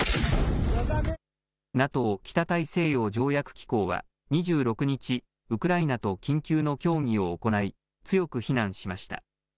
ＮＡＴＯ・北大西洋条約機構は２６日、ウクライナと緊急の協議を行い、強く非難しました。